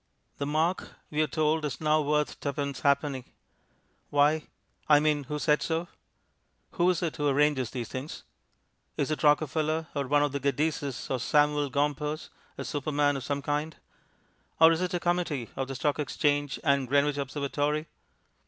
The mark, we are told, is now worth tuppence ha'penny. Why? I mean, who said so? Who is it who arranges these things? Is it Rockefeller or one of the Geddeses or Samuel Gompers a superman of some kind? Or is it a Committee of the Stock Exchange and Greenwich Observatory?